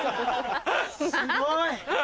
すごい！